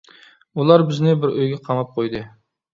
ئۇلار بىزنى بىر ئۆيگە قاماپ قويدى.